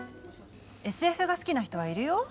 ＳＦが好きな人はいるよ？